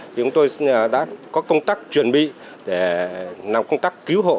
thì chúng tôi đã có công tác chuẩn bị để làm công tác cứu hộ